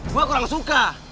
gue kurang suka